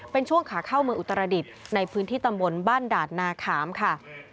เป็นช่วงขาเข้าเมืองอุตรดิษฐ์ในพื้นที่ตำบลบ้านด่านนาขามค่ะ